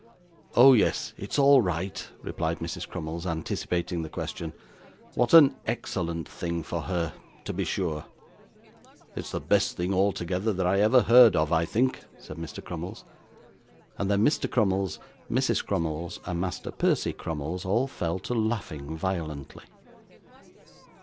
'Oh, yes, it's all right,' replied Mrs. Crummles, anticipating the question. 'What an excellent thing for her, to be sure!' 'It's the best thing altogether, that I ever heard of, I think,' said Mr Crummles; and then Mr. Crummles, Mrs. Crummles, and Master Percy Crummles, all fell to laughing violently.